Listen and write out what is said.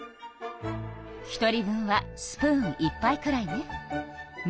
１人分はスプーン１杯くらいね。